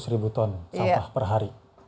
dua ratus ribu ton sampah per hari